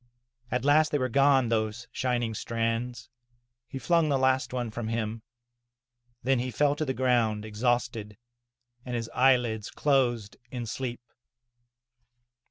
At last they were gone, those shining strands — ^he flung the last one from him. Then he fell to the ground, exhausted, and his eyelids closed in sleep.